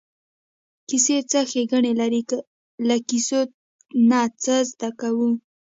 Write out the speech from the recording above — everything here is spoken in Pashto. کیسې څه ښېګڼې لري له کیسو نه څه زده کوو.